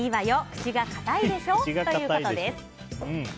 口が堅いでしょ！ということです。